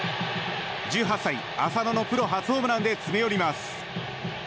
１８歳、浅野のプロ初ホームランで詰め寄ります。